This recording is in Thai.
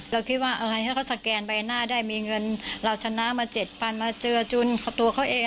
เราคิดว่าถ้าเขาสแกนใบหน้าได้มีเงินเราชนะมา๗๐๐มาเจอจุนตัวเขาเอง